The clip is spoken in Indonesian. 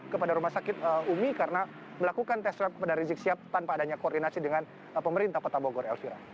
kepada rumah sakit umi karena melakukan swab test pada rizik siap tanpa adanya koordinasi dengan pemerintah kota bogor